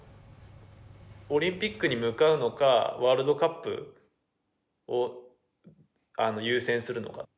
オリンピックに向かうのかワールドカップを優先するのか。